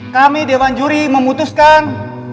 kami dewan juri memutuskan